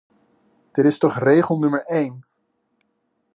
Dit is toch regel nummer een!